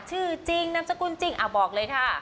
ชื่อจริงนามสกุลจริงบอกเลยค่ะ